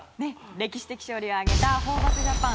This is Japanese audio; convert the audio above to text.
歴史的勝利を挙げたホーバスジャパン。